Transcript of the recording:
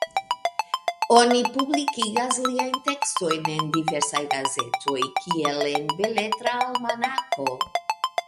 Oni publikigas liajn tekstojn en diversaj gazetoj, kiel en Beletra Almanako.